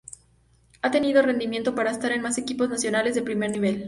Ha tenido rendimiento para estar en más equipos nacionales de primer nivel.